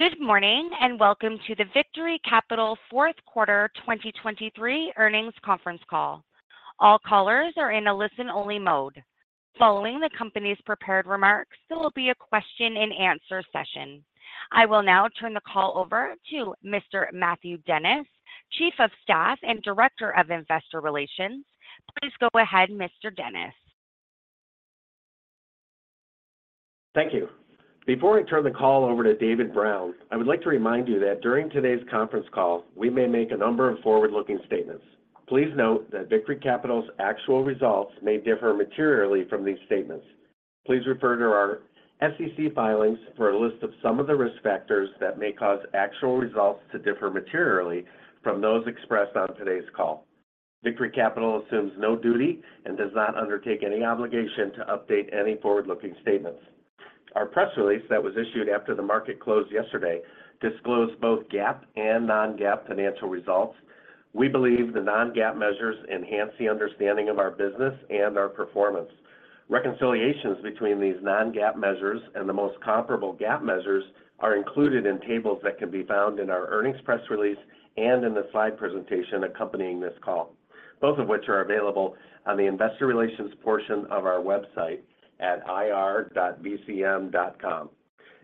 Good morning and welcome to the Victory Capital Q4 2023 Earnings Conference Call. All callers are in a listen-only mode. Following the company's prepared remarks, there will be a question-and-answer session. I will now turn the call over to Mr. Matthew Dennis, Chief of Staff and Director of Investor Relations. Please go ahead, Mr. Dennis. Thank you. Before I turn the call over to David Brown, I would like to remind you that during today's conference call, we may make a number of forward-looking statements. Please note that Victory Capital's actual results may differ materially from these statements. Please refer to our SEC filings for a list of some of the risk factors that may cause actual results to differ materially from those expressed on today's call. Victory Capital assumes no duty and does not undertake any obligation to update any forward-looking statements. Our press release that was issued after the market closed yesterday disclosed both GAAP and non-GAAP financial results. We believe the non-GAAP measures enhance the understanding of our business and our performance. Reconciliations between these non-GAAP measures and the most comparable GAAP measures are included in tables that can be found in our earnings press release and in the slide presentation accompanying this call, both of which are available on the Investor Relations portion of our website at ir.vcm.com.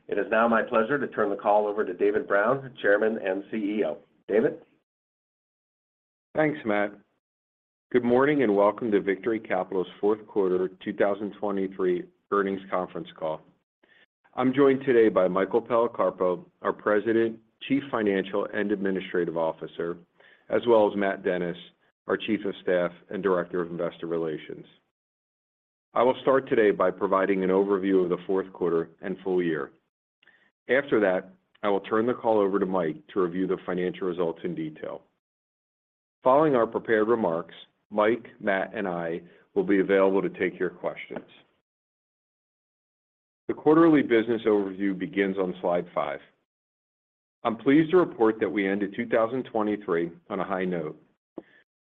It is now my pleasure to turn the call over to David Brown, Chairman and CEO. David? Thanks, Matt. Good morning and welcome to Victory Capital's Q4 2023 Earnings Conference Call. I'm joined today by Michael Policarpo, our President, Chief Financial and Administrative Officer, as well as Matt Dennis, our Chief of Staff and Director of Investor Relations. I will start today by providing an overview of the Q4 and full year. After that, I will turn the call over to Mike to review the financial results in detail. Following our prepared remarks, Mike, Matt, and I will be available to take your questions. The quarterly business overview begins on slide five. I'm pleased to report that we ended 2023 on a high note.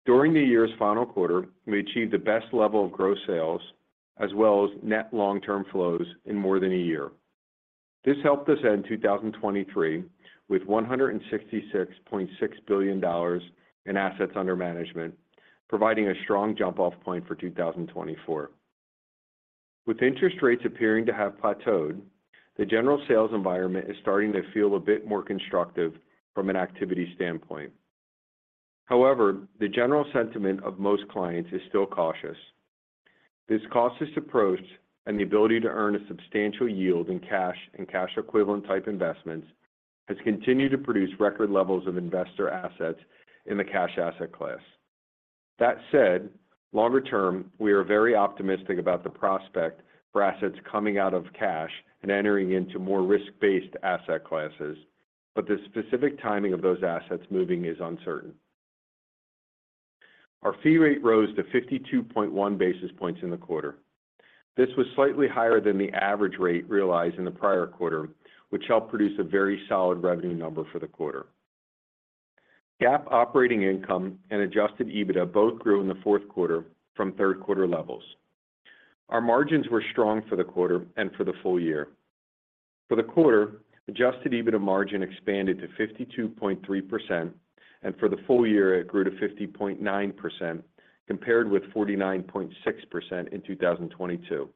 During the year's final quarter, we achieved the best level of gross sales as well as net long-term flows in more than a year. This helped us end 2023 with $166.6 billion in assets under management, providing a strong jump-off point for 2024. With interest rates appearing to have plateaued, the general sales environment is starting to feel a bit more constructive from an activity standpoint. However, the general sentiment of most clients is still cautious. This cost-based approach and the ability to earn a substantial yield in cash and cash equivalent type investments has continued to produce record levels of investor assets in the cash asset class. That said, longer term, we are very optimistic about the prospect for assets coming out of cash and entering into more risk-based asset classes, but the specific timing of those assets moving is uncertain. Our fee rate rose to 52.1 basis points in the quarter. This was slightly higher than the average rate realized in the prior quarter, which helped produce a very solid revenue number for the quarter. GAAP operating income and adjusted EBITDA both grew in the Q4 from Q3 levels. Our margins were strong for the quarter and for the full year. For the quarter, adjusted EBITDA margin expanded to 52.3%, and for the full year, it grew to 50.9% compared with 49.6% in 2022.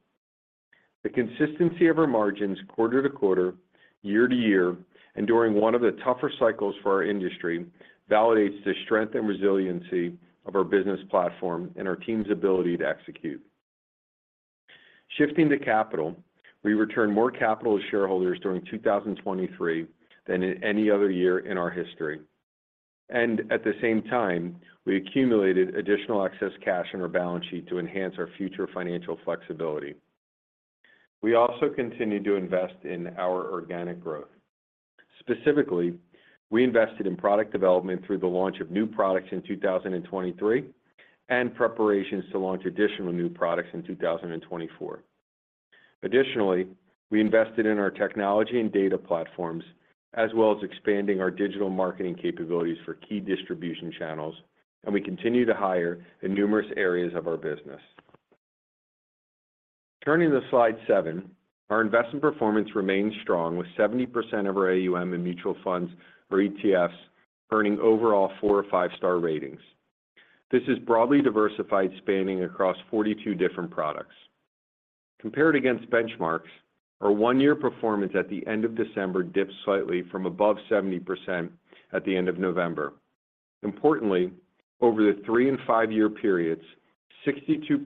The consistency of our margins quarter to quarter, year to year, and during one of the tougher cycles for our industry validates the strength and resiliency of our business platform and our team's ability to execute. Shifting to capital, we returned more capital to shareholders during 2023 than in any other year in our history. At the same time, we accumulated additional excess cash in our balance sheet to enhance our future financial flexibility. We also continue to invest in our organic growth. Specifically, we invested in product development through the launch of new products in 2023 and preparations to launch additional new products in 2024. Additionally, we invested in our technology and data platforms as well as expanding our digital marketing capabilities for key distribution channels, and we continue to hire in numerous areas of our business. Turning to slide seven, our investment performance remains strong with 70% of our AUM in mutual funds or ETFs earning overall 4- or 5-star ratings. This is broadly diversified, spanning across 42 different products. Compared against benchmarks, our one-year performance at the end of December dipped slightly from above 70% at the end of November. Importantly, over the 3- and 5-year periods, 62%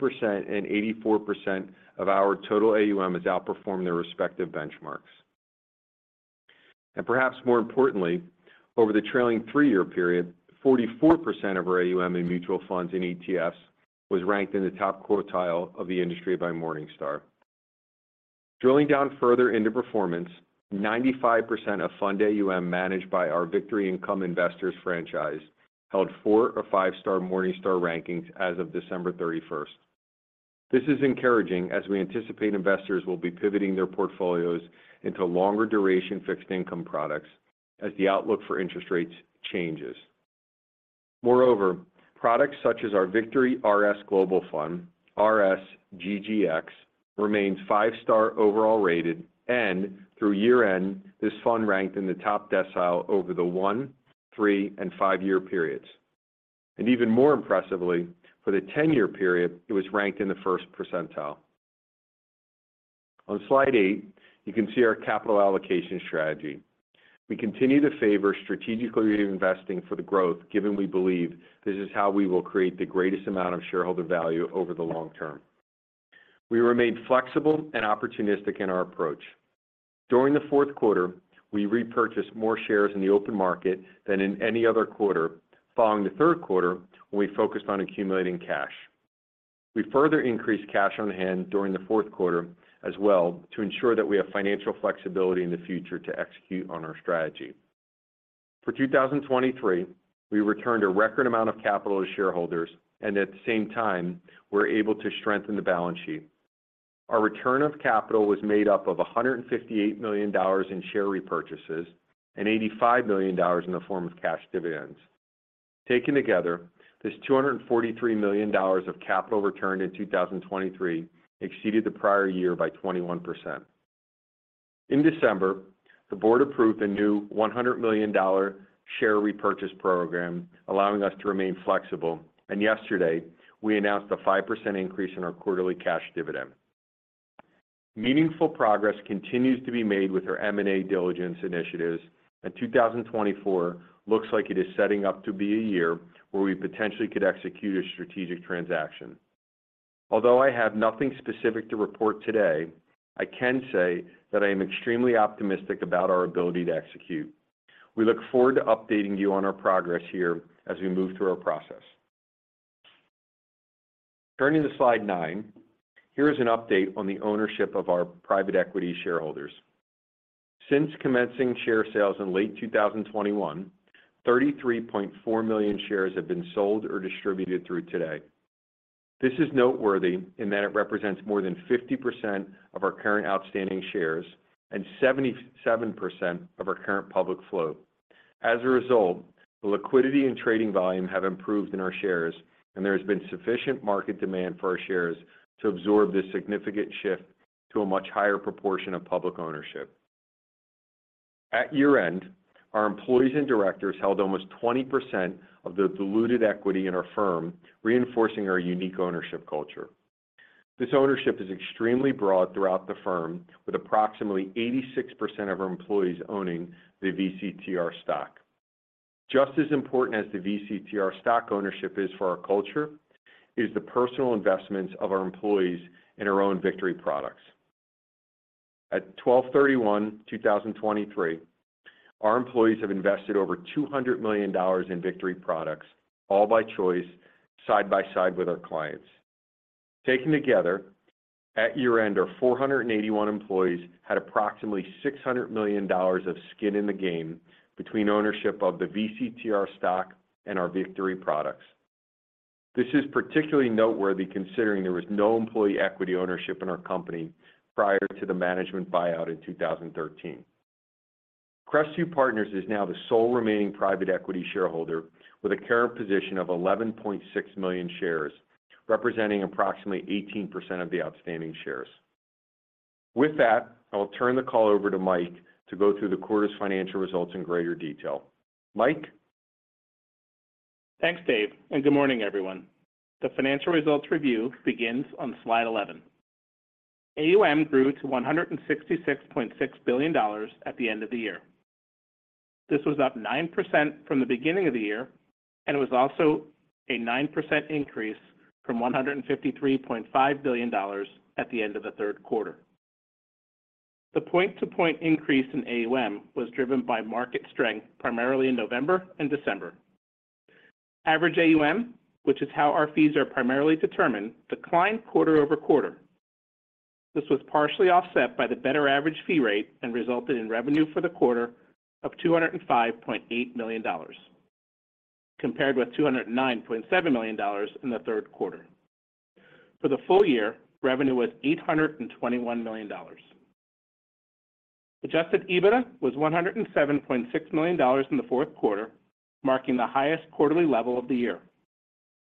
and 84% of our total AUM has outperformed their respective benchmarks. Perhaps more importantly, over the trailing three-year period, 44% of our AUM in mutual funds and ETFs was ranked in the top quartile of the industry by Morningstar. Drilling down further into performance, 95% of fund AUM managed by our Victory Income Investors franchise held four or five-star Morningstar rankings as of December 31st. This is encouraging as we anticipate investors will be pivoting their portfolios into longer-duration fixed income products as the outlook for interest rates changes. Moreover, products such as our Victory RS Global Fund, RSGGX, remains five-star overall rated, and through year-end, this fund ranked in the top decile over the one, three, and five-year periods. Even more impressively, for the 10-year period, it was ranked in the first percentile. On slide eight, you can see our capital allocation strategy. We continue to favor strategically reinvesting for the growth, given we believe this is how we will create the greatest amount of shareholder value over the long term. We remained flexible and opportunistic in our approach. During the Q4, we repurchased more shares in the open market than in any other quarter following the Q3 when we focused on accumulating cash. We further increased cash on hand during the as well to ensure that we have financial flexibility in the future to execute on our strategy. For 2023, we returned a record amount of capital to shareholders, and at the same time, we're able to strengthen the balance sheet. Our return of capital was made up of $158 million in share repurchases and $85 million in the form of cash dividends. Taken together, this $243 million of capital returned in 2023 exceeded the prior year by 21%. In December, the board approved a new $100 million share repurchase program allowing us to remain flexible, and yesterday, we announced a 5% increase in our quarterly cash dividend. Meaningful progress continues to be made with our M&A diligence initiatives, and 2024 looks like it is setting up to be a year where we potentially could execute a strategic transaction. Although I have nothing specific to report today, I can say that I am extremely optimistic about our ability to execute. We look forward to updating you on our progress here as we move through our process. Turning to slide nine, here is an update on the ownership of our private equity shareholders. Since commencing share sales in late 2021, $33.4 million shares have been sold or distributed through today. This is noteworthy in that it represents more than 50% of our current outstanding shares and 77% of our current public flow. As a result, the liquidity and trading volume have improved in our shares, and there has been sufficient market demand for our shares to absorb this significant shift to a much higher proportion of public ownership. At year-end, our employees and directors held almost 20% of the diluted equity in our firm, reinforcing our unique ownership culture. This ownership is extremely broad throughout the firm, with approximately 86% of our employees owning the VCTR stock. Just as important as the VCTR stock ownership is for our culture, is the personal investments of our employees in our own Victory products. At 12/31/2023, our employees have invested over $200 million in Victory products, all by choice, side by side with our clients. Taken together, at year-end, our 481 employees had approximately $600 million of skin in the game between ownership of the VCTR stock and our Victory products. This is particularly noteworthy considering there was no employee equity ownership in our company prior to the management buyout in 2013. Crestview Partners is now the sole remaining private equity shareholder with a current position of 11.6 million shares, representing approximately 18% of the outstanding shares. With that, I will turn the call over to Mike to go through the quarter's financial results in greater detail. Mike? Thanks, Dave, and good morning, everyone. The financial results review begins on slide 11. AUM grew to $166.6 billion at the end of the year. This was up 9% from the beginning of the year, and it was also a 9% increase from $153.5 billion at the end of the Q3. The point-to-point increase in AUM was driven by market strength primarily in November and December. Average AUM, which is how our fees are primarily determined, declined quarter-over-quarter. This was partially offset by the better average fee rate and resulted in revenue for the quarter of $205.8 million compared with $209.7 million in the Q3. For the full year, revenue was $821 million. Adjusted EBITDA was $107.6 million in the Q4, marking the highest quarterly level of the year.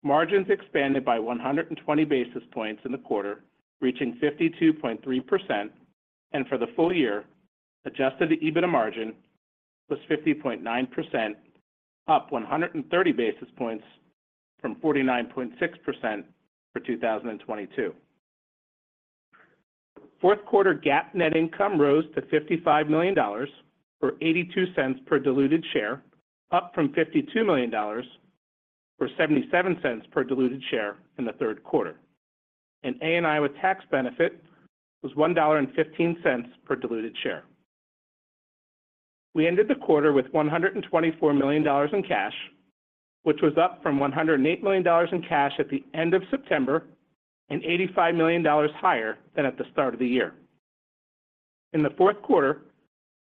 Margins expanded by 120 basis points in the quarter, reaching 52.3%, and for the full year, adjusted EBITDA margin was 50.9%, up 130 basis points from 49.6% for 2022. Q4 GAAP net income rose to $55.82 per diluted share, up from $52.77 per diluted share in the Q3. An A&I with tax benefit was $1.15 per diluted share. We ended the quarter with $124 million in cash, which was up from $108 million in cash at the end of September and $85 million higher than at the start of the year. In the Q4,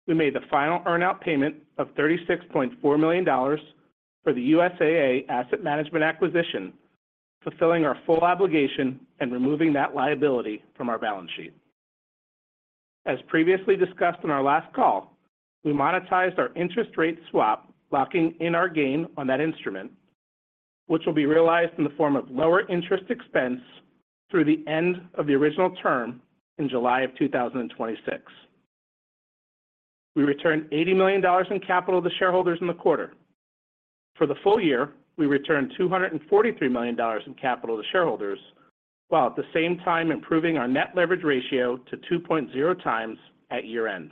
we made the final earnout payment of $36.4 million for the USAA Asset management acquisition, fulfilling our full obligation and removing that liability from our balance sheet. As previously discussed in our last call, we monetized our interest rate swap locking in our gain on that instrument, which will be realized in the form of lower interest expense through the end of the original term in July of 2026. We returned $80 million in capital to shareholders in the quarter. For the full year, we returned $243 million in capital to shareholders, while at the same time improving our net leverage ratio to 2.0 times at year-end.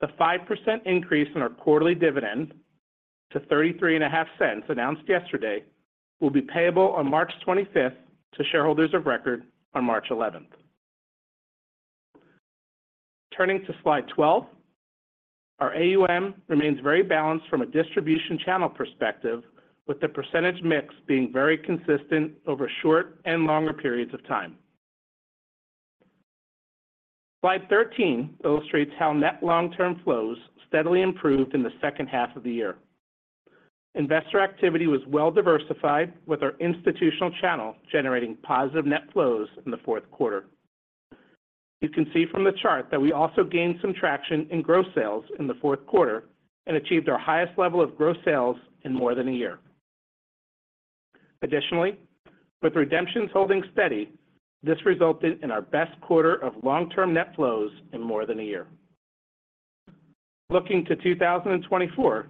The 5% increase in our quarterly dividend to $0.335 announced yesterday will be payable on March 25th to shareholders of record on March 11th. Turning to slide 12, our AUM remains very balanced from a distribution channel perspective, with the percentage mix being very consistent over short and longer periods of time. Slide 13 illustrates how net long-term flows steadily improved in the second half of the year. Investor activity was well diversified, with our institutional channel generating positive net flows in the Q4. You can see from the chart that we also gained some traction in gross sales in the Q4 and achieved our highest level of gross sales in more than a year. Additionally, with redemptions holding steady, this resulted in our best quarter of long-term net flows in more than a year. Looking to 2024,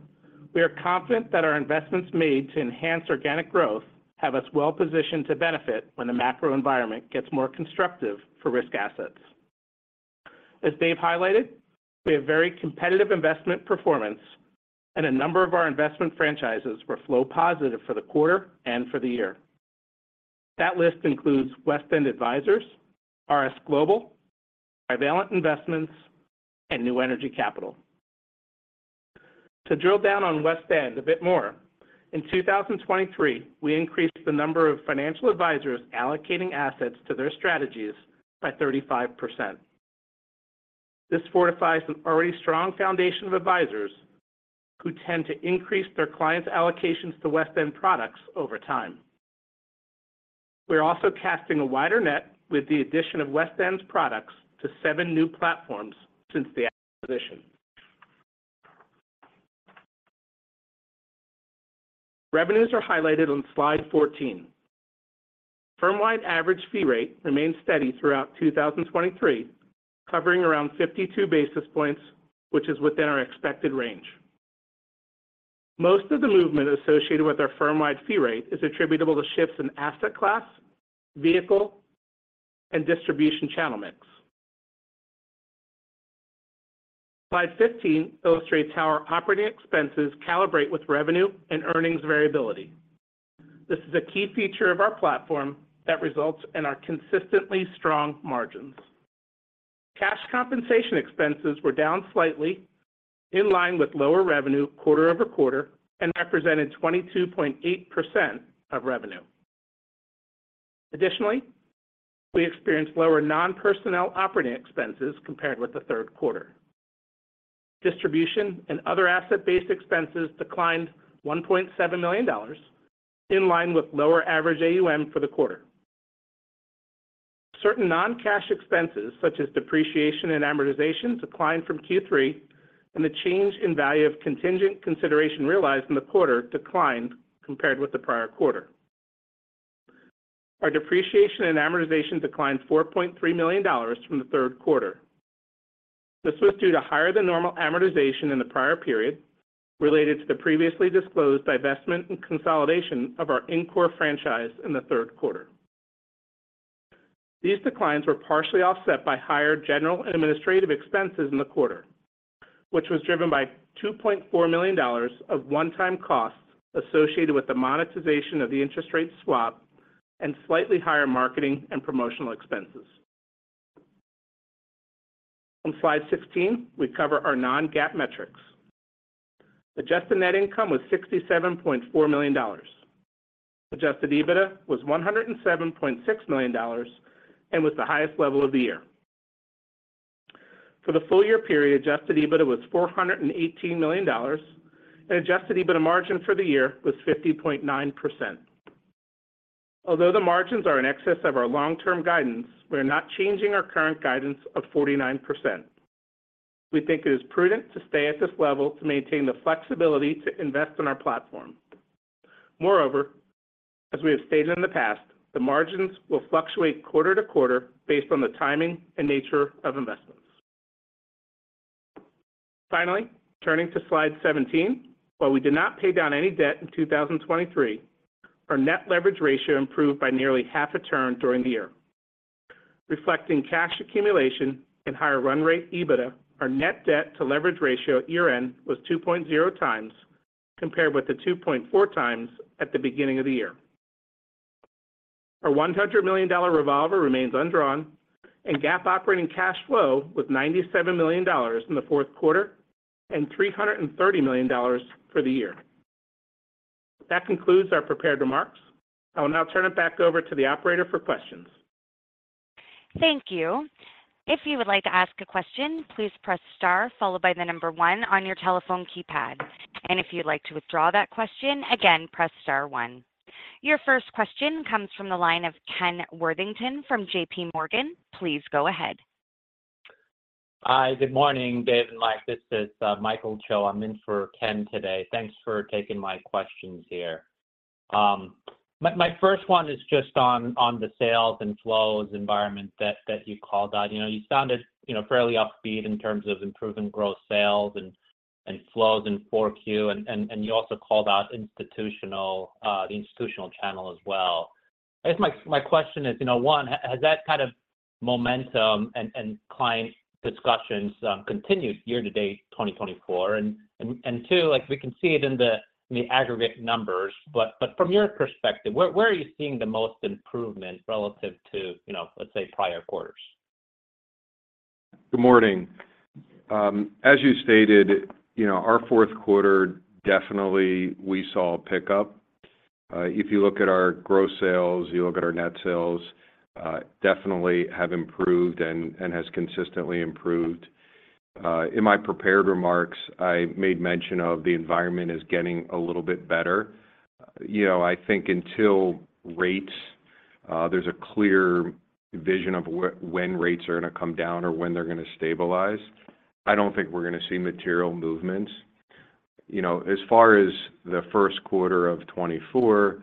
we are confident that our investments made to enhance organic growth have us well positioned to benefit when the macro environment gets more constructive for risk assets. As Dave highlighted, we have very competitive investment performance, and a number of our investment franchises were flow positive for the quarter and for the year. That list includes WestEnd Advisors, RS Global, Trivalent Investments, and New Energy Capital. To drill down on WestEnd a bit more, in 2023, we increased the number of financial advisors allocating assets to their strategies by 35%. This fortifies an already strong foundation of advisors who tend to increase their clients' allocations to WestEnd products over time. We're also casting a wider net with the addition of WestEnd's products to seven new platforms since the acquisition. Revenues are highlighted on slide 14. Firmwide average fee rate remained steady throughout 2023, covering around 52 basis points, which is within our expected range. Most of the movement associated with our firmwide fee rate is attributable to shifts in asset class, vehicle, and distribution channel mix. Slide 15 illustrates how our operating expenses calibrate with revenue and earnings variability. This is a key feature of our platform that results in our consistently strong margins. Cash compensation expenses were down slightly, in line with lower revenue quarter-over-quarter, and represented 22.8% of revenue. Additionally, we experienced lower non-personnel operating expenses compared with the Q3. Distribution and other asset-based expenses declined $1.7 million, in line with lower average AUM for the quarter. Certain non-cash expenses, such as depreciation and amortization, declined from Q3, and the change in value of contingent consideration realized in the quarter declined compared with the prior quarter. Our depreciation and amortization declined $4.3 million from the Q3. This was due to higher-than-normal amortization in the prior period related to the previously disclosed divestment and consolidation of our Incor franchise in the Q3. These declines were partially offset by higher general and administrative expenses in the quarter, which was driven by $2.4 million of one-time costs associated with the monetization of the interest rate swap and slightly higher marketing and promotional expenses. On slide 16, we cover our non-GAAP metrics. Adjusted net income was $67.4 million. Adjusted EBITDA was $107.6 million and was the highest level of the year. For the full-year period, adjusted EBITDA was $418 million, and adjusted EBITDA margin for the year was 50.9%. Although the margins are in excess of our long-term guidance, we are not changing our current guidance of 49%. We think it is prudent to stay at this level to maintain the flexibility to invest in our platform. Moreover, as we have stated in the past, the margins will fluctuate quarter to quarter based on the timing and nature of investments. Finally, turning to slide 17, while we did not pay down any debt in 2023, our net leverage ratio improved by nearly half a turn during the year. Reflecting cash accumulation and higher run-rate EBITDA, our net debt-to-leverage ratio year-end was 2.0 times compared with the 2.4 times at the beginning of the year. Our $100 million revolver remains undrawn, and GAAP operating cash flow was $97 million in the Q4 and $330 million for the year. That concludes our prepared remarks. I will now turn it back over to the operator for questions. Thank you. If you would like to ask a question, please press star followed by the number one on your telephone keypad. And if you'd like to withdraw that question, again, press star one. Your first question comes from the line of Ken Worthington from JPMorgan. Please go ahead. Hi. Good morning, Dave and Mike. This is Michael Cho. I'm in for Ken today. Thanks for taking my questions here. My first one is just on the sales and flows environment that you called out. You sounded fairly upbeat in terms of improving gross sales and flows in 4Q, and you also called out the institutional channel as well. I guess my question is, one, has that kind of momentum and client discussions continued year-to-date 2024? And two, we can see it in the aggregate numbers, but from your perspective, where are you seeing the most improvement relative to, let's say, prior quarters? Good morning. As you stated, our Q4, definitely, we saw a pickup. If you look at our gross sales, you look at our net sales, definitely have improved and has consistently improved. In my prepared remarks, I made mention of the environment is getting a little bit better. I think until rates, there's a clear vision of when rates are going to come down or when they're going to stabilize. I don't think we're going to see material movements. As far as the Q1 of 2024,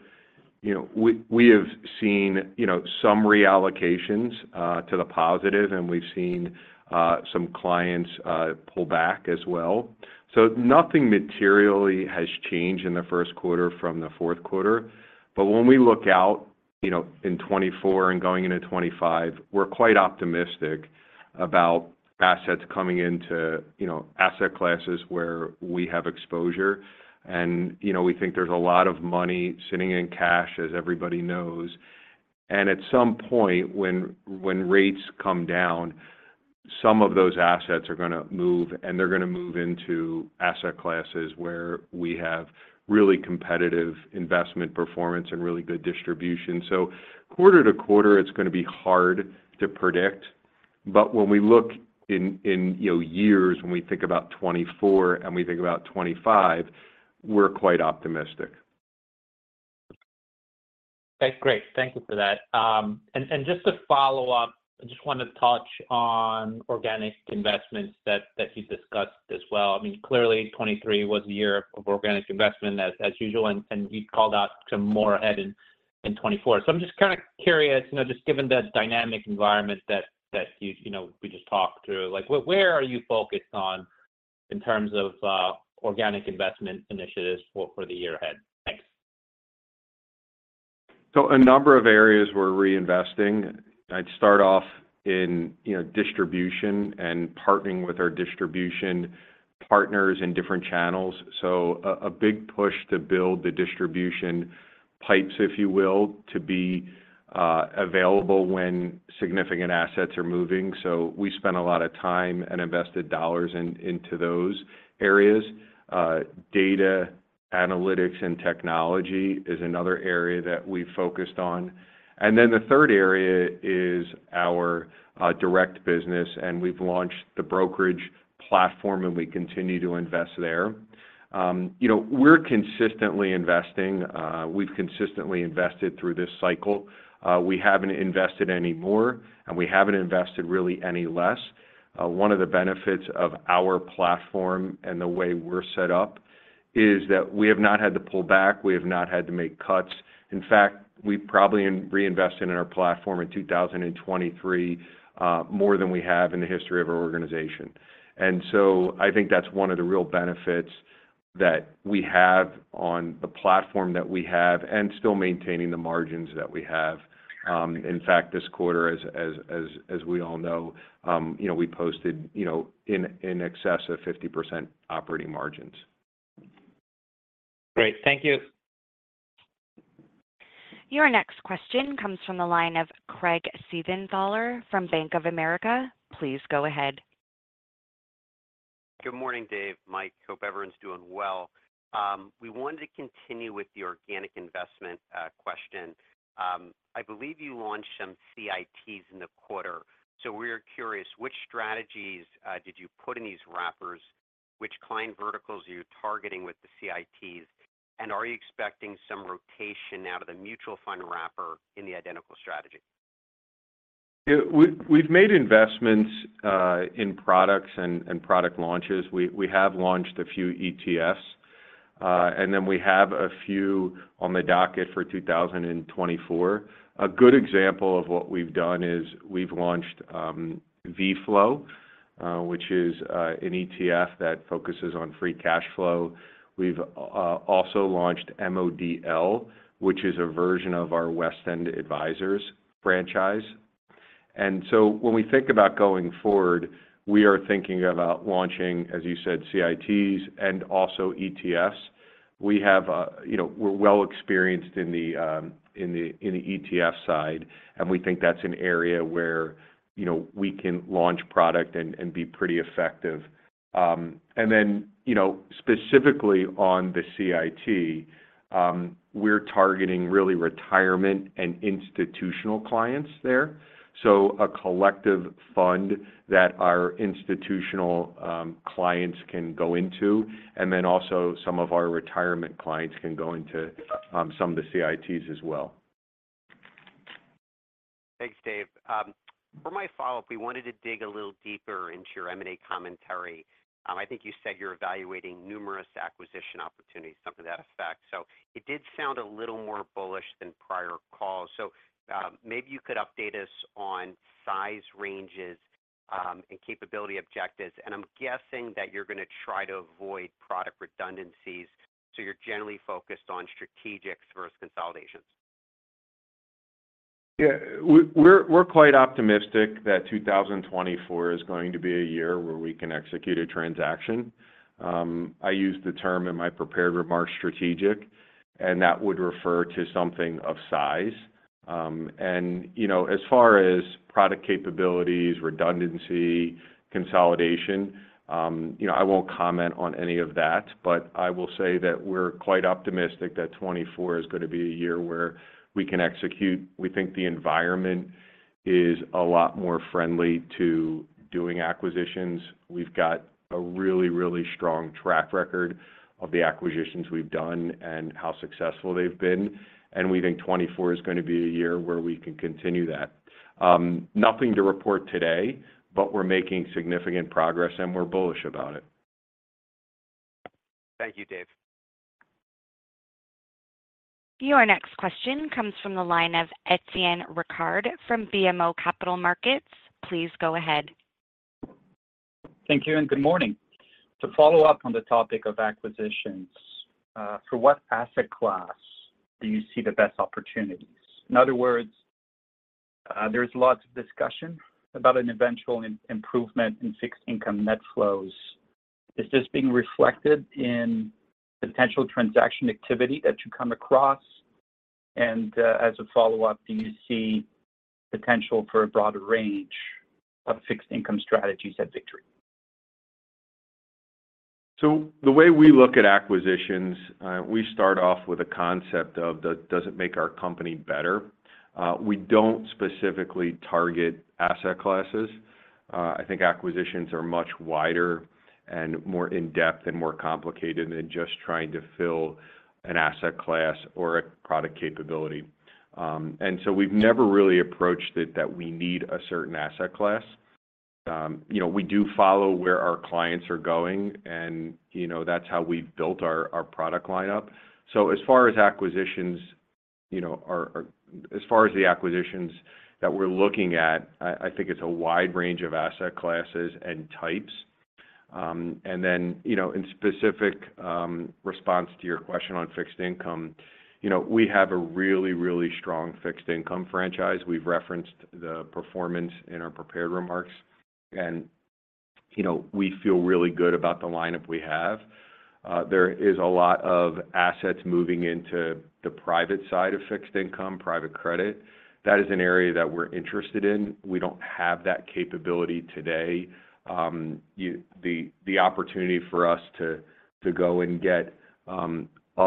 we have seen some reallocations to the positive, and we've seen some clients pull back as well. So nothing materially has changed in the Q1 from the Q4. But when we look out in 2024 and going into 2025, we're quite optimistic about assets coming into asset classes where we have exposure. We think there's a lot of money sitting in cash, as everybody knows. At some point, when rates come down, some of those assets are going to move, and they're going to move into asset classes where we have really competitive investment performance and really good distribution. Quarter to quarter, it's going to be hard to predict. When we look in years, when we think about 2024 and we think about 2025, we're quite optimistic. Okay. Great. Thank you for that. And just to follow up, I just want to touch on organic investments that you discussed as well. I mean, clearly, 2023 was a year of organic investment, as usual, and you called out some more ahead in 2024. So I'm just kind of curious, just given the dynamic environment that we just talked through, where are you focused on in terms of organic investment initiatives for the year ahead? Thanks. A number of areas we're reinvesting. I'd start off in distribution and partnering with our distribution partners in different channels. A big push to build the distribution pipes, if you will, to be available when significant assets are moving. We spent a lot of time and invested dollars into those areas. Data, analytics, and technology is another area that we've focused on. Then the third area is our direct business, and we've launched the brokerage platform, and we continue to invest there. We're consistently investing. We've consistently invested through this cycle. We haven't invested anymore, and we haven't invested really any less. One of the benefits of our platform and the way we're set up is that we have not had to pull back. We have not had to make cuts. In fact, we probably reinvested in our platform in 2023 more than we have in the history of our organization. And so I think that's one of the real benefits that we have on the platform that we have and still maintaining the margins that we have. In fact, this quarter, as we all know, we posted in excess of 50% operating margins. Great. Thank you. Your next question comes from the line of Craig Siegenthaler from Bank of America. Please go ahead. Good morning, Dave, Mike. Hope everyone's doing well. We wanted to continue with the organic investment question. I believe you launched some CITs in the quarter. So we're curious, which strategies did you put in these wrappers? Which client verticals are you targeting with the CITs? And are you expecting some rotation out of the mutual fund wrapper in the identical strategy? Yeah. We've made investments in products and product launches. We have launched a few ETFs, and then we have a few on the docket for 2024. A good example of what we've done is we've launched VFLOW, which is an ETF that focuses on free cash flow. We've also launched MODL, which is a version of our WestEnd Advisors franchise. And so when we think about going forward, we are thinking about launching, as you said, CITs and also ETFs. We're well experienced in the ETF side, and we think that's an area where we can launch product and be pretty effective. And then specifically on the CIT, we're targeting really retirement and institutional clients there, so a collective fund that our institutional clients can go into, and then also some of our retirement clients can go into some of the CITs as well. Thanks, Dave. For my follow-up, we wanted to dig a little deeper into your M&A commentary. I think you said you're evaluating numerous acquisition opportunities, something to that effect. So it did sound a little more bullish than prior calls. So maybe you could update us on size ranges and capability objectives. And I'm guessing that you're going to try to avoid product redundancies. So you're generally focused on strategics versus consolidations. Yeah. We're quite optimistic that 2024 is going to be a year where we can execute a transaction. I use the term in my prepared remarks, strategic, and that would refer to something of size. And as far as product capabilities, redundancy, consolidation, I won't comment on any of that, but I will say that we're quite optimistic that 2024 is going to be a year where we can execute. We think the environment is a lot more friendly to doing acquisitions. We've got a really, really strong track record of the acquisitions we've done and how successful they've been. And we think 2024 is going to be a year where we can continue that. Nothing to report today, but we're making significant progress, and we're bullish about it. Thank you, Dave. Your next question comes from the line of Étienne Ricard from BMO Capital Markets. Please go ahead. Thank you and good morning. To follow up on the topic of acquisitions, for what asset class do you see the best opportunities? In other words, there's lots of discussion about an eventual improvement in fixed income net flows. Is this being reflected in potential transaction activity that you come across? And as a follow-up, do you see potential for a broader range of fixed income strategies at Victory? So the way we look at acquisitions, we start off with a concept of, "Does it make our company better?" We don't specifically target asset classes. I think acquisitions are much wider and more in-depth and more complicated than just trying to fill an asset class or a product capability. And so we've never really approached it that we need a certain asset class. We do follow where our clients are going, and that's how we've built our product lineup. So as far as the acquisitions that we're looking at, I think it's a wide range of asset classes and types. And then in specific response to your question on fixed income, we have a really, really strong fixed income franchise. We've referenced the performance in our prepared remarks, and we feel really good about the lineup we have. There is a lot of assets moving into the private side of fixed income, private credit. That is an area that we're interested in. We don't have that capability today. The opportunity for us to go and get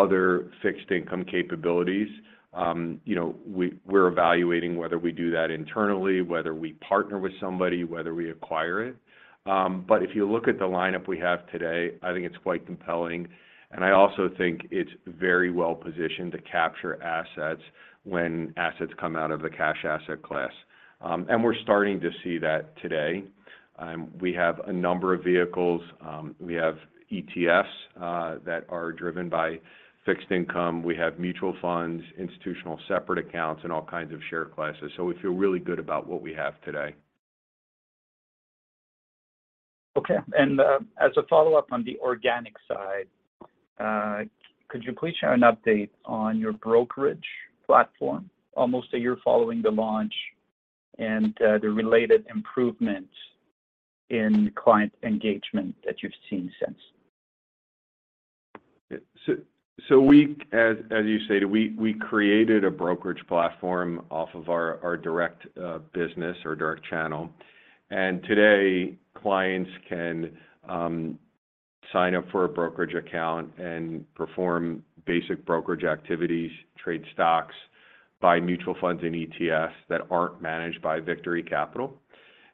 other fixed income capabilities, we're evaluating whether we do that internally, whether we partner with somebody, whether we acquire it. But if you look at the lineup we have today, I think it's quite compelling. And I also think it's very well positioned to capture assets when assets come out of the cash asset class. And we're starting to see that today. We have a number of vehicles. We have ETFs that are driven by fixed income. We have mutual funds, institutional separate accounts, and all kinds of share classes. So we feel really good about what we have today. Okay. As a follow-up on the organic side, could you please share an update on your brokerage platform almost a year following the launch and the related improvements in client engagement that you've seen since? So as you stated, we created a brokerage platform off of our direct business or direct channel. And today, clients can sign up for a brokerage account and perform basic brokerage activities, trade stocks by mutual funds and ETFs that aren't managed by Victory Capital.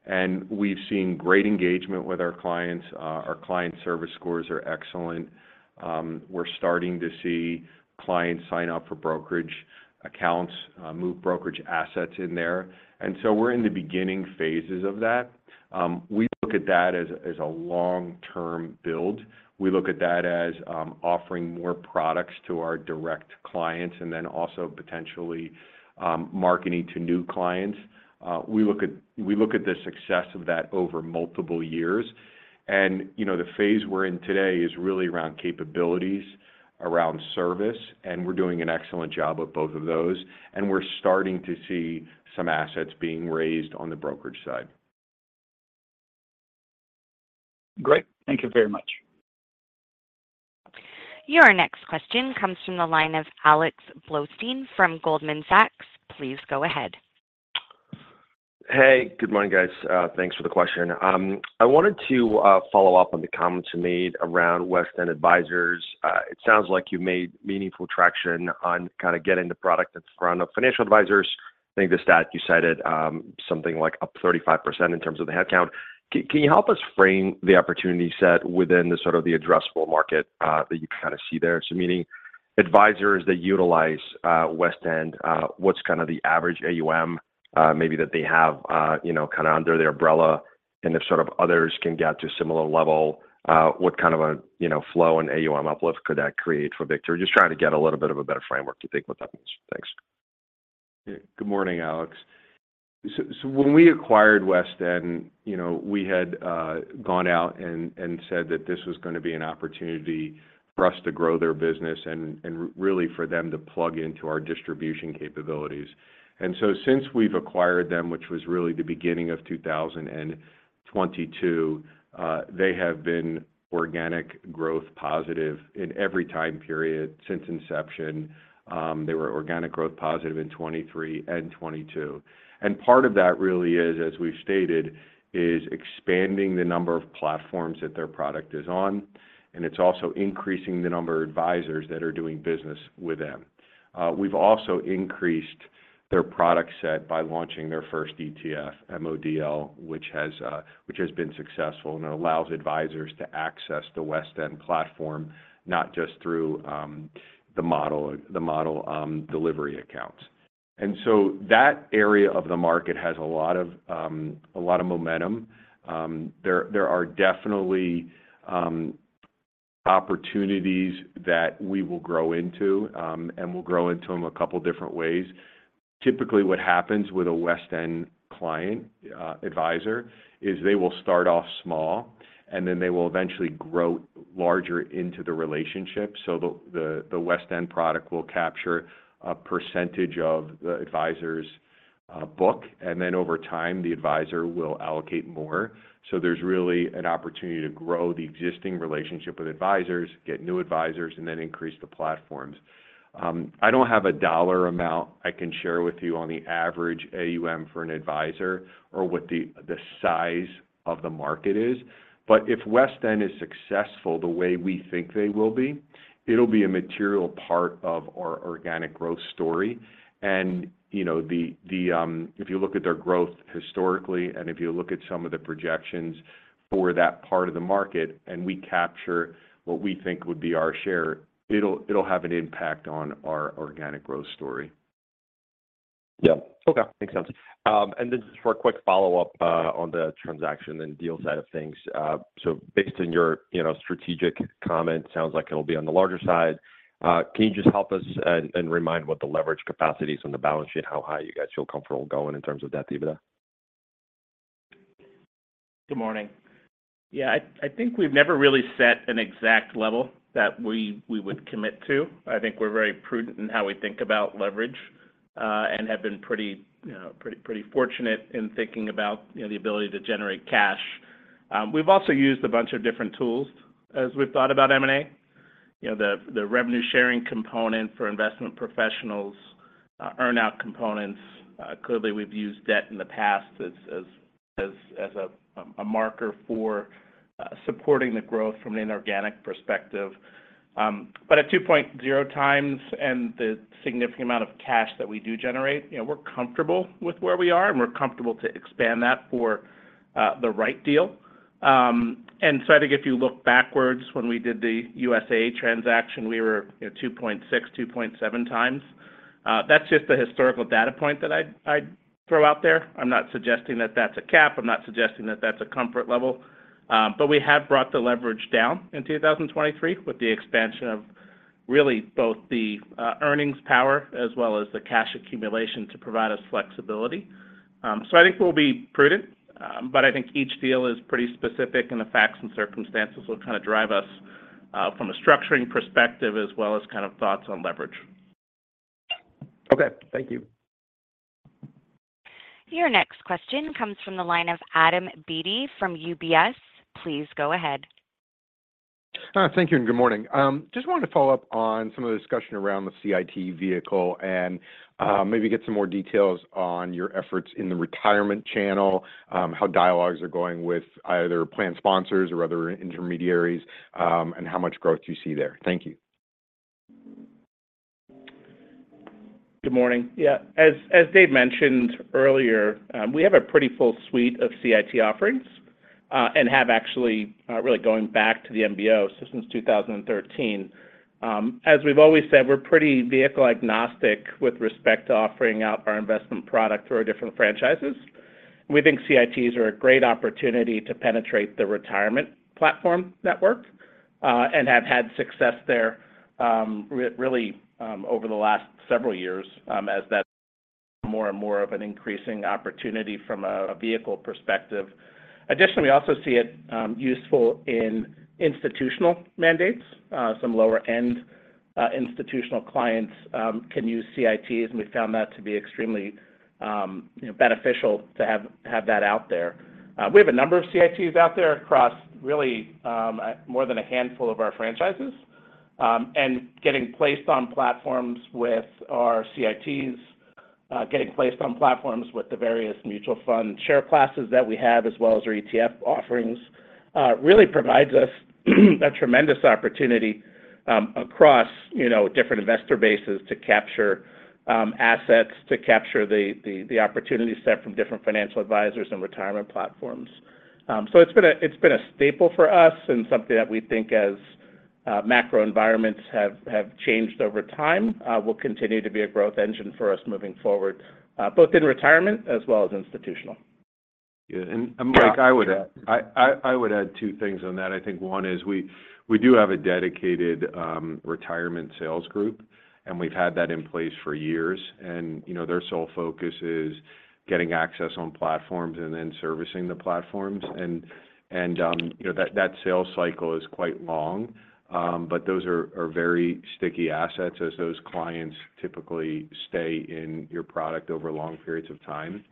And we've seen great engagement with our clients. Our client service scores are excellent. We're starting to see clients sign up for brokerage accounts, move brokerage assets in there. And so we're in the beginning phases of that. We look at that as a long-term build. We look at that as offering more products to our direct clients and then also potentially marketing to new clients. We look at the success of that over multiple years. And the phase we're in today is really around capabilities, around service, and we're doing an excellent job of both of those. We're starting to see some assets being raised on the brokerage side. Great. Thank you very much. Your next question comes from the line of Alex Blostein from Goldman Sachs. Please go ahead. Hey. Good morning, guys. Thanks for the question. I wanted to follow up on the comments you made around WestEnd Advisors. It sounds like you've made meaningful traction on kind of getting the product in front of financial advisors. I think the stat you cited, something like up 35% in terms of the headcount. Can you help us frame the opportunity set within sort of the addressable market that you kind of see there? So meaning advisors that utilize WestEnd, what's kind of the average AUM maybe that they have kind of under their umbrella? And if sort of others can get to a similar level, what kind of a flow and AUM uplift could that create for Victory? Just trying to get a little bit of a better framework to think what that means. Thanks. Yeah. Good morning, Alex. So when we acquired WestEnd, we had gone out and said that this was going to be an opportunity for us to grow their business and really for them to plug into our distribution capabilities. And so since we've acquired them, which was really the beginning of 2022, they have been organic growth positive in every time period since inception. They were organic growth positive in 2023 and 2022. And part of that really is, as we've stated, is expanding the number of platforms that their product is on. And it's also increasing the number of advisors that are doing business with them. We've also increased their product set by launching their first ETF, MODL, which has been successful and allows advisors to access the WestEnd platform not just through the model delivery accounts. So that area of the market has a lot of momentum. There are definitely opportunities that we will grow into, and we'll grow into them a couple of different ways. Typically, what happens with a WestEnd client advisor is they will start off small, and then they will eventually grow larger into the relationship. So the WestEnd product will capture a percentage of the advisor's book, and then over time, the advisor will allocate more. So there's really an opportunity to grow the existing relationship with advisors, get new advisors, and then increase the platforms. I don't have a dollar amount I can share with you on the average AUM for an advisor or what the size of the market is. But if WestEnd is successful the way we think they will be, it'll be a material part of our organic growth story. If you look at their growth historically and if you look at some of the projections for that part of the market and we capture what we think would be our share, it'll have an impact on our organic growth story. Yeah. Okay. Makes sense. And then just for a quick follow-up on the transaction and deal side of things, so based on your strategic comment, sounds like it'll be on the larger side. Can you just help us and remind what the leverage capacity is on the balance sheet, how high you guys feel comfortable going in terms of that, David? Good morning. Yeah. I think we've never really set an exact level that we would commit to. I think we're very prudent in how we think about leverage and have been pretty fortunate in thinking about the ability to generate cash. We've also used a bunch of different tools as we've thought about M&A, the revenue sharing component for investment professionals, earnout components. Clearly, we've used debt in the past as a marker for supporting the growth from an inorganic perspective. But at 2.0 times and the significant amount of cash that we do generate, we're comfortable with where we are, and we're comfortable to expand that for the right deal. And so I think if you look backwards when we did the USAA transaction, we were 2.6, 2.7 times. That's just the historical data point that I'd throw out there. I'm not suggesting that that's a cap. I'm not suggesting that that's a comfort level. But we have brought the leverage down in 2023 with the expansion of really both the earnings power as well as the cash accumulation to provide us flexibility. So I think we'll be prudent. But I think each deal is pretty specific, and the facts and circumstances will kind of drive us from a structuring perspective as well as kind of thoughts on leverage. Okay. Thank you. Your next question comes from the line of Adam Beatty from UBS. Please go ahead. Thank you and good morning. Just wanted to follow up on some of the discussion around the CIT vehicle and maybe get some more details on your efforts in the retirement channel, how dialogues are going with either plan sponsors or other intermediaries, and how much growth you see there? Thank you. Good morning. Yeah. As Dave mentioned earlier, we have a pretty full suite of CIT offerings and have actually really going back to the MBO, so since 2013. As we've always said, we're pretty vehicle-agnostic with respect to offering out our investment product through our different franchises. We think CITs are a great opportunity to penetrate the retirement platform network and have had success there really over the last several years as that's more and more of an increasing opportunity from a vehicle perspective. Additionally, we also see it useful in institutional mandates. Some lower-end institutional clients can use CITs, and we found that to be extremely beneficial to have that out there. We have a number of CITs out there across really more than a handful of our franchises. Getting placed on platforms with our CITs, getting placed on platforms with the various mutual fund share classes that we have as well as our ETF offerings really provides us a tremendous opportunity across different investor bases to capture assets, to capture the opportunity set from different financial advisors and retirement platforms. It's been a staple for us and something that we think as macro environments have changed over time will continue to be a growth engine for us moving forward, both in retirement as well as institutional. Yeah. And Mike, I would add two things on that. I think one is we do have a dedicated retirement sales group, and we've had that in place for years. And their sole focus is getting access on platforms and then servicing the platforms. And that sales cycle is quite long, but those are very sticky assets as those clients typically stay in your product over long periods of time.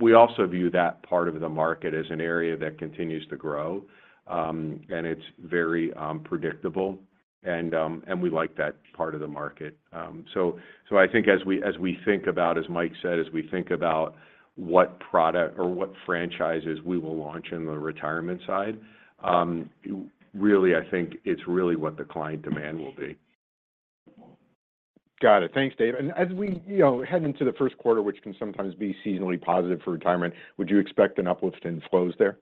We also view that part of the market as an area that continues to grow, and it's very predictable. And we like that part of the market. So I think as we think about, as Mike said, as we think about what product or what franchises we will launch in the retirement side, really, I think it's really what the client demand will be. Got it. Thanks, David. And as we head into the Q1, which can sometimes be seasonally positive for retirement, would you expect an uplift in flows there?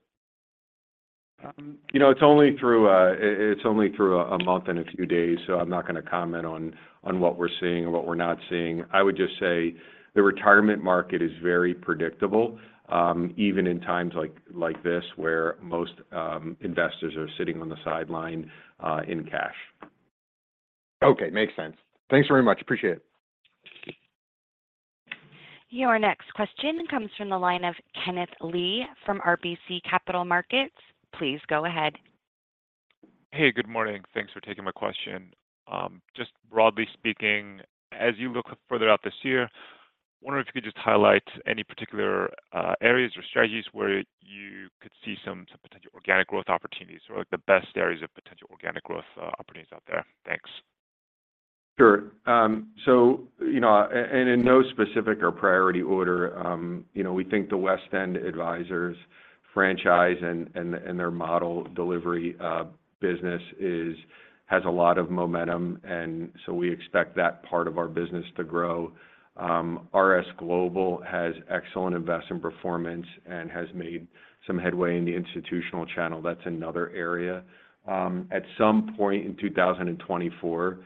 It's only through a month and a few days, so I'm not going to comment on what we're seeing or what we're not seeing. I would just say the retirement market is very predictable even in times like this where most investors are sitting on the sidelines in cash. Okay. Makes sense. Thanks very much. Appreciate it. Your next question comes from the line of Kenneth Lee from RBC Capital Markets. Please go ahead. Hey. Good morning. Thanks for taking my question. Just broadly speaking, as you look further out this year, wondering if you could just highlight any particular areas or strategies where you could see some potential organic growth opportunities or the best areas of potential organic growth opportunities out there? Thanks. Sure. And in no specific or priority order, we think the WestEnd Advisors franchise and their model delivery business has a lot of momentum, and so we expect that part of our business to grow. RS Global has excellent investment performance and has made some headway in the institutional channel. That's another area. At some point in 2024,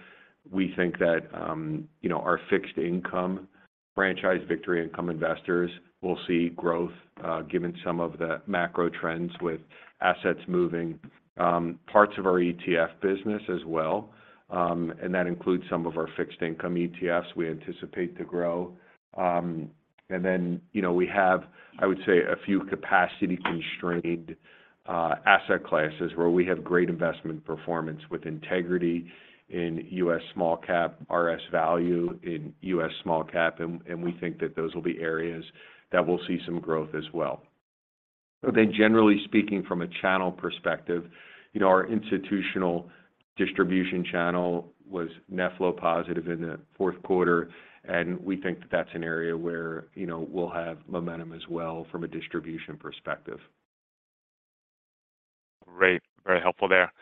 we think that our fixed income franchise Victory Income Investors will see growth given some of the macro trends with assets moving, parts of our ETF business as well. And that includes some of our fixed income ETFs we anticipate to grow. And then we have, I would say, a few capacity-constrained asset classes where we have great investment performance with integrity in U.S. small cap, RS Value in U.S. small cap. And we think that those will be areas that we'll see some growth as well. And then generally speaking, from a channel perspective, our institutional distribution channel was net flow positive in the Q4, and we think that that's an area where we'll have momentum as well from a distribution perspective. Great. Very helpful there.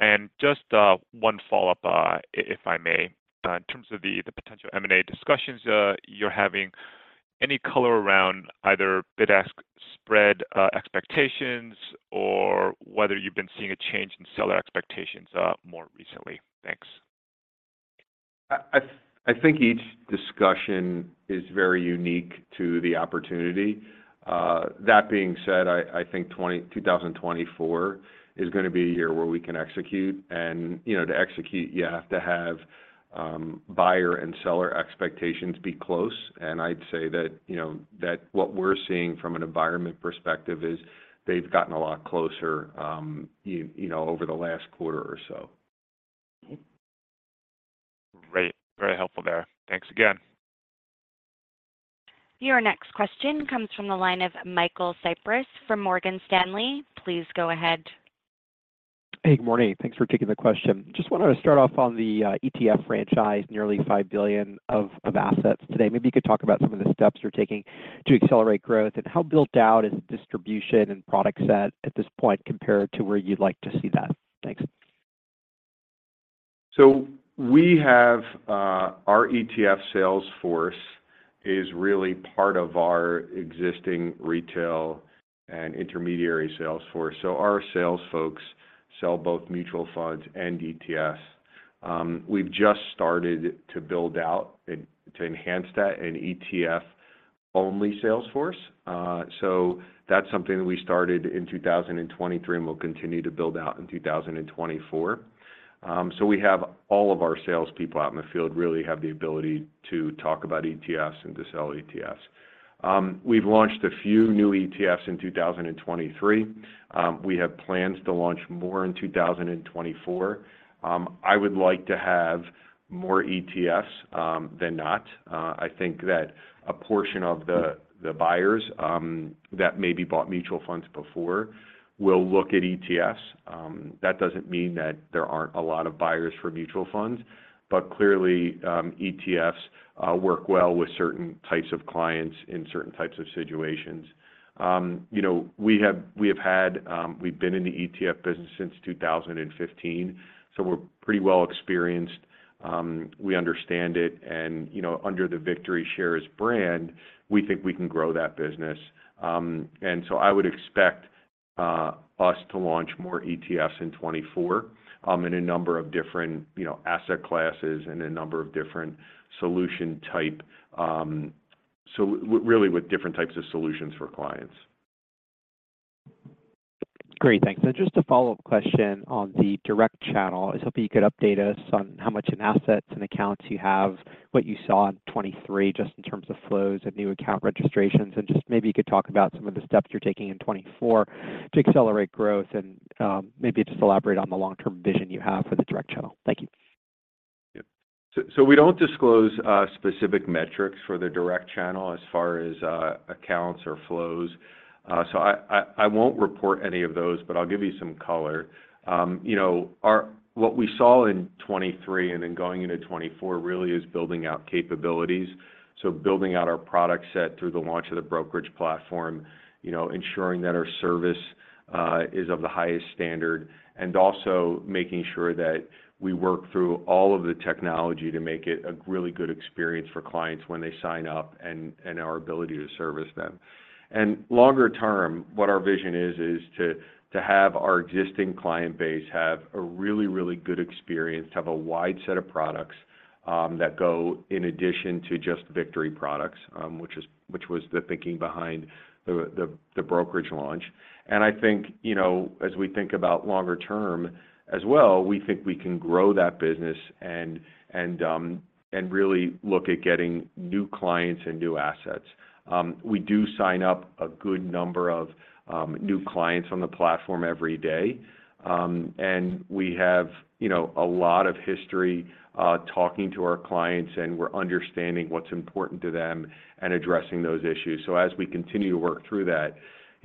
And just one follow-up, if I may, in terms of the potential M&A discussions you're having, any color around either bid-ask spread expectations or whether you've been seeing a change in seller expectations more recently? Thanks. I think each discussion is very unique to the opportunity. That being said, I think 2024 is going to be a year where we can execute. To execute, you have to have buyer and seller expectations be close. I'd say that what we're seeing from an environment perspective is they've gotten a lot closer over the last quarter or so. Great. Very helpful there. Thanks again. Your next question comes from the line of Michael Cyprys from Morgan Stanley. Please go ahead. Hey. Good morning. Thanks for taking the question. Just wanted to start off on the ETF franchise, nearly $5 billion of assets today. Maybe you could talk about some of the steps you're taking to accelerate growth and how built out is the distribution and product set at this point compared to where you'd like to see that. Thanks. So our ETF sales force is really part of our existing retail and intermediary sales force. So our sales folks sell both mutual funds and ETFs. We've just started to build out, to enhance that, an ETF-only sales force. So that's something that we started in 2023 and will continue to build out in 2024. So we have all of our salespeople out in the field really have the ability to talk about ETFs and to sell ETFs. We've launched a few new ETFs in 2023. We have plans to launch more in 2024. I would like to have more ETFs than not. I think that a portion of the buyers that maybe bought mutual funds before will look at ETFs. That doesn't mean that there aren't a lot of buyers for mutual funds, but clearly, ETFs work well with certain types of clients in certain types of situations. We've been in the ETF business since 2015, so we're pretty well experienced. We understand it. Under the VictoryShares brand, we think we can grow that business. So I would expect us to launch more ETFs in 2024 in a number of different asset classes and a number of different solution types, so really with different types of solutions for clients. Great. Thanks. Just a follow-up question on the direct channel. I was hoping you could update us on how much in assets and accounts you have, what you saw in 2023 just in terms of flows and new account registrations, and just maybe you could talk about some of the steps you're taking in 2024 to accelerate growth and maybe just elaborate on the long-term vision you have for the direct channel. Thank you. Yeah. So we don't disclose specific metrics for the direct channel as far as accounts or flows. So I won't report any of those, but I'll give you some color. What we saw in 2023 and then going into 2024 really is building out capabilities, so building out our product set through the launch of the brokerage platform, ensuring that our service is of the highest standard, and also making sure that we work through all of the technology to make it a really good experience for clients when they sign up and our ability to service them. And longer term, what our vision is, is to have our existing client base have a really, really good experience, to have a wide set of products that go in addition to just Victory products, which was the thinking behind the brokerage launch. I think as we think about longer term as well, we think we can grow that business and really look at getting new clients and new assets. We do sign up a good number of new clients on the platform every day, and we have a lot of history talking to our clients, and we're understanding what's important to them and addressing those issues. So as we continue to work through that,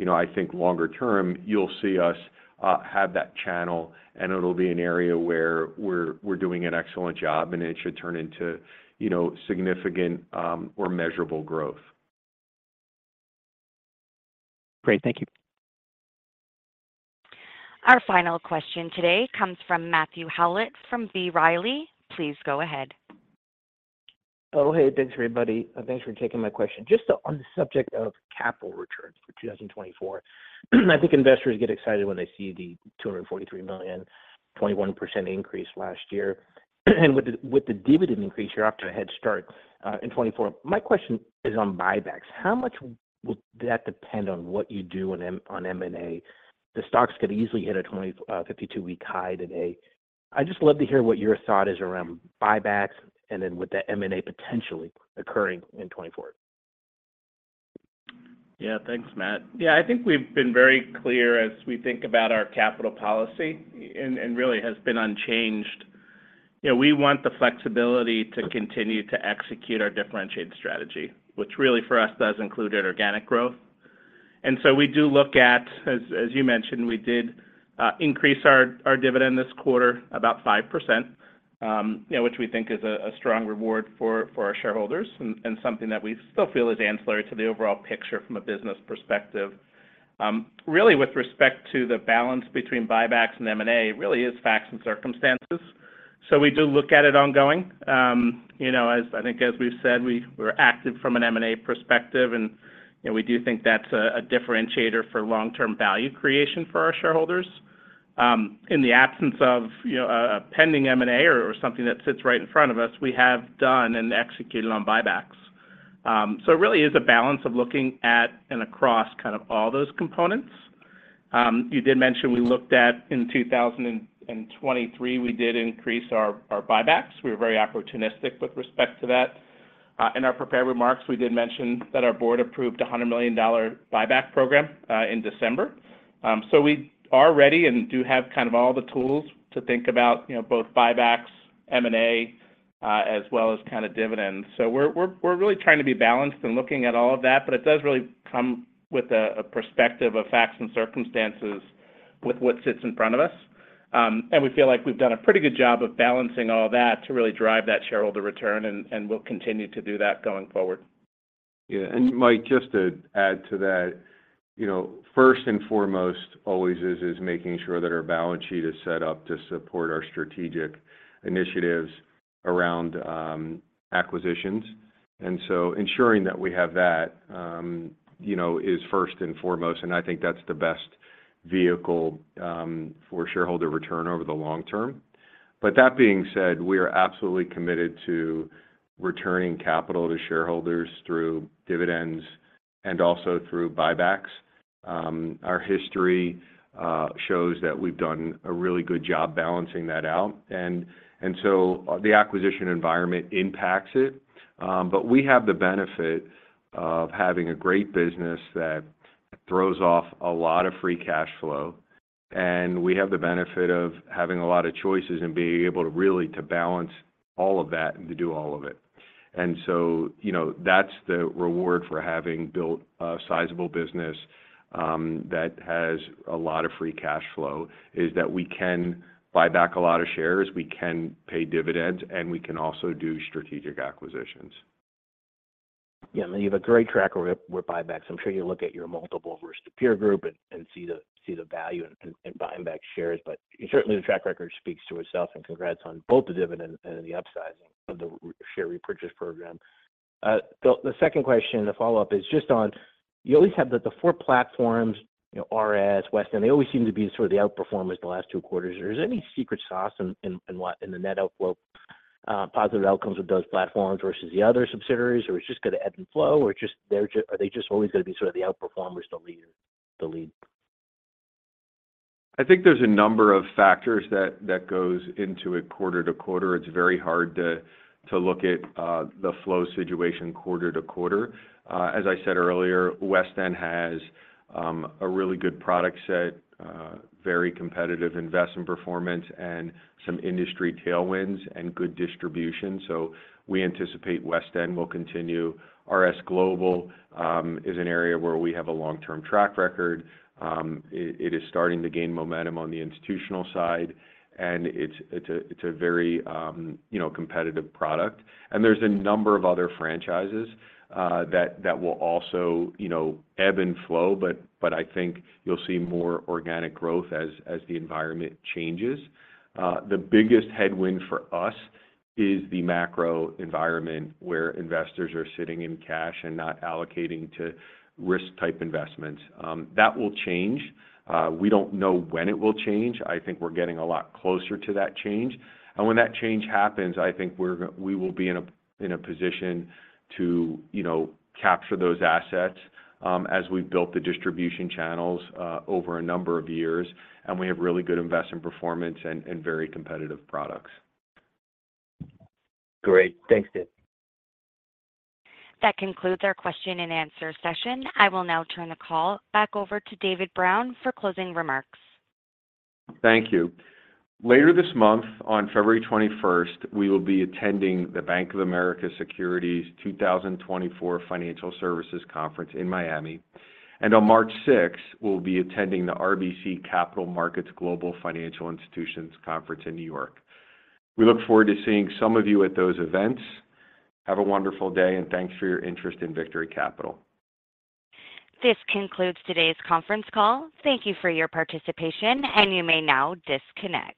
I think longer term, you'll see us have that channel, and it'll be an area where we're doing an excellent job, and it should turn into significant or measurable growth. Great. Thank you. Our final question today comes from Matthew Howlett from B. Riley. Please go ahead. Oh, hey. Thanks, everybody. Thanks for taking my question. Just on the subject of capital returns for 2024, I think investors get excited when they see the $243 million, 21% increase last year. With the dividend increase, you're off to a head start in 2024. My question is on buybacks. How much will that depend on what you do on M&A? The stocks could easily hit a 52-week high today. I'd just love to hear what your thought is around buybacks and then with that M&A potentially occurring in 2024. Yeah. Thanks, Matt. Yeah. I think we've been very clear as we think about our capital policy and really has been unchanged. We want the flexibility to continue to execute our differentiated strategy, which really for us does include organic growth. And so we do look at as you mentioned, we did increase our dividend this quarter about 5%, which we think is a strong reward for our shareholders and something that we still feel is ancillary to the overall picture from a business perspective. Really, with respect to the balance between buybacks and M&A, it really is facts and circumstances. So we do look at it ongoing. I think as we've said, we're active from an M&A perspective, and we do think that's a differentiator for long-term value creation for our shareholders. In the absence of a pending M&A or something that sits right in front of us, we have done and executed on buybacks. So it really is a balance of looking at and across kind of all those components. You did mention we looked at in 2023, we did increase our buybacks. We were very opportunistic with respect to that. In our prepared remarks, we did mention that our board approved a $100 million buyback program in December. So we are ready and do have kind of all the tools to think about both buybacks, M&A, as well as kind of dividends. So we're really trying to be balanced and looking at all of that, but it does really come with a perspective of facts and circumstances with what sits in front of us. We feel like we've done a pretty good job of balancing all that to really drive that shareholder return, and we'll continue to do that going forward. Yeah. Mike, just to add to that, first and foremost always is making sure that our balance sheet is set up to support our strategic initiatives around acquisitions. Ensuring that we have that is first and foremost, and I think that's the best vehicle for shareholder return over the long term. But that being said, we are absolutely committed to returning capital to shareholders through dividends and also through buybacks. Our history shows that we've done a really good job balancing that out. The acquisition environment impacts it, but we have the benefit of having a great business that throws off a lot of free cash flow, and we have the benefit of having a lot of choices and being able to really balance all of that and to do all of it. And so that's the reward for having built a sizable business that has a lot of free cash flow, is that we can buy back a lot of shares, we can pay dividends, and we can also do strategic acquisitions. Yeah. I mean, you have a great track record with buybacks. I'm sure you'll look at your multiple versus the peer group and see the value in buying back shares. But certainly, the track record speaks to itself, and congrats on both the dividend and the upsizing of the share repurchase program. The second question, the follow-up, is just on you always have the four platforms, RS, WestEnd. They always seem to be sort of the outperformers the last two quarters. Is there any secret sauce in the net outflow, positive outcomes with those platforms versus the other subsidiaries? Or it's just going to ebb and flow? Or are they just always going to be sort of the outperformers, the lead? I think there's a number of factors that goes into it quarter to quarter. It's very hard to look at the flow situation quarter to quarter. As I said earlier, WestEnd has a really good product set, very competitive investment performance, and some industry tailwinds and good distribution. So we anticipate WestEnd will continue. RS Global is an area where we have a long-term track record. It is starting to gain momentum on the institutional side, and it's a very competitive product. There's a number of other franchises that will also ebb and flow, but I think you'll see more organic growth as the environment changes. The biggest headwind for us is the macro environment where investors are sitting in cash and not allocating to risk-type investments. That will change. We don't know when it will change. I think we're getting a lot closer to that change. When that change happens, I think we will be in a position to capture those assets as we've built the distribution channels over a number of years, and we have really good investment performance and very competitive products. Great. Thanks, David. That concludes our question and answer session. I will now turn the call back over to David Brown for closing remarks. Thank you. Later this month, on February 21st, we will be attending the Bank of America Securities 2024 Financial Services Conference in Miami. On March 6th, we'll be attending the RBC Capital Markets Global Financial Institutions Conference in New York. We look forward to seeing some of you at those events. Have a wonderful day, and thanks for your interest in Victory Capital. This concludes today's conference call. Thank you for your participation, and you may now disconnect.